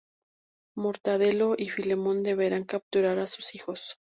Mortadelo y Filemón deberán capturar a sus hijos.